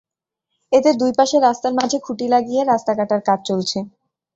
এতে দুই পাশের রাস্তার মাঝে খুঁটি লাগিয়ে রাস্তা কাটার কাজ চলছে।